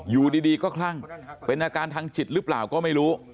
อยู่ดีก็คลั่งเป็นอาการทางจิตหรือเปล่าก็ไม่รู้